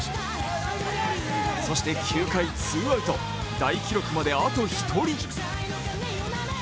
そして、９回ツーアウト大記録まであと１人。